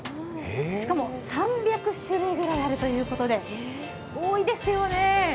しかも３００種類ぐらいあるということで多いですよね。